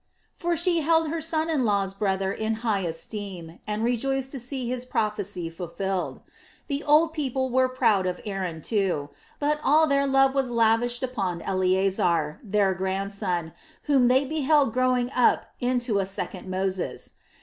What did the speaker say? for she held her son in law's brother in high esteem, and rejoiced to see his prophecy fulfilled. The old people were proud of Aaron, too; but all their love was lavished upon Eleasar, their grandson, whom they beheld growing up into a second Moses.